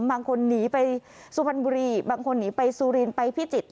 บางคนหนีไปสุพรรณบุรีบางคนหนีไปสุรินทร์ไปพิจิตร